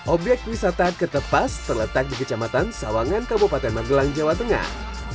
obyek wisata kertepas terletak di kecamatan sawangan kabupaten magelang jawa tengah